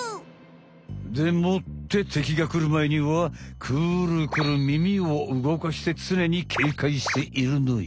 でもって敵がくるまえにはくるくるみみを動かしてつねにけいかいしているのよ。